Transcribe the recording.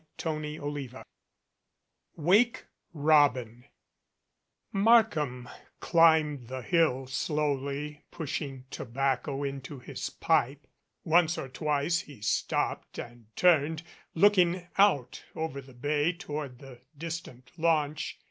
CHAPTER VII "WAKE ROBIN" MARKHAM climbed the hill slowly, pushing to bacco into his pipe. Once or twice he stopped and turned, looking out over the bay toward the distant launch.